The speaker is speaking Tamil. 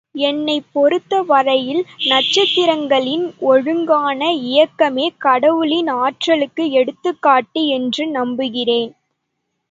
என்னைப் பொறுத்த வரையில் நட்சத்திரங்களின் ஒழுங்கான இயக்கமே, கடவுளின் ஆற்றலுக்கு எடுத்துக்காட்டு என்று நம்புகிறேன்.